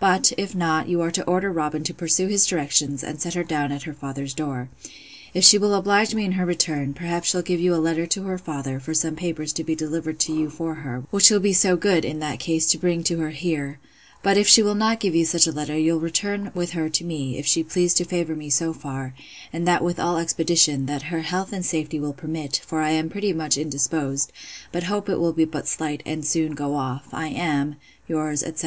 But, if not, you are to order Robin to pursue his directions, and set her down at her father's door. If she will oblige me in her return, perhaps she'll give you a letter to her father, for some papers to be delivered to you for her; which you'll be so good, in that case, to bring to her here: But if she will not give you such a letter, you'll return with her to me, if she please to favour me so far; and that with all expedition, that her health and safety will permit; for I am pretty much indisposed; but hope it will be but slight, and soon go off. I am 'Yours, etc.